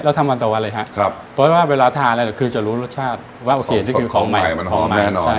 เราทำวันต่อวันเลยฮะเพราะว่าเวลาทานแล้วคือจะรู้รสชาติว่าโอเคที่กินของใหม่ของใหม่มันหอมแน่นอนใช่